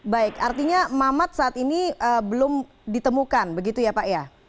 baik artinya mamat saat ini belum ditemukan begitu ya pak ya